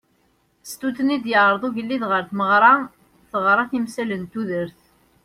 Stut-nni i d-yeɛreḍ ugelliḍ ɣer tmeɣra teɣra timsal n tudert.